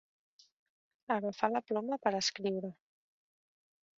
Agafar la ploma per escriure.